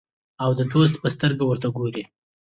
او د دوست په سترګه ورته ګوري.